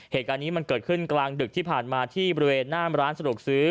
เหตุการณ์นี้มันเกิดขึ้นกลางดึกที่ผ่านมาที่บริเวณหน้ามร้านสะดวกซื้อ